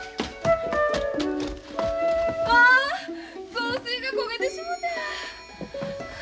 雑炊が焦げてしもた。